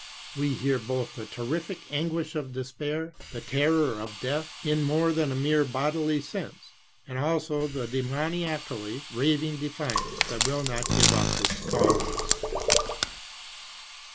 " we hear both the terrific anguish of despair, the terror of death, in more than a merely bodily sense, and also the demoniacally raving defiance, that will not give up its cause.